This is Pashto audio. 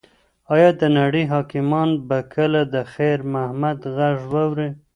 ایا د نړۍ حاکمان به کله د خیر محمد غږ واوري؟